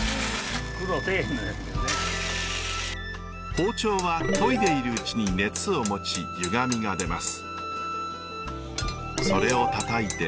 包丁は研いでいるうちに熱を持ちゆがみが出ます。